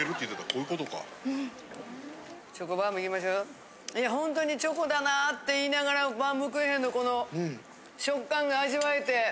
いや本当にチョコだなって言いながらバームクーヘンのこの食感が味わえて。